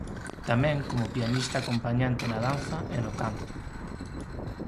Tamén como pianista acompañante na danza e no canto.